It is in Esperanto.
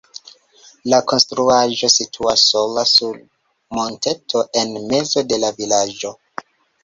La konstruaĵo situas sola sur monteto en mezo de la vilaĝo.